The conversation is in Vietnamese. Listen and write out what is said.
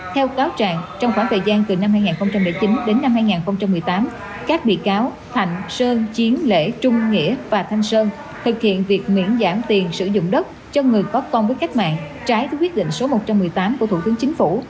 theo cáo trạng trong khoảng thời gian từ năm hai nghìn chín đến năm hai nghìn một mươi tám các bị cáo thạnh sơn chiến lễ trung nghĩa và thanh sơn thực hiện việc miễn giảm tiền sử dụng đất cho người có công với cách mạng trái với quyết định số một trăm một mươi tám của thủ tướng chính phủ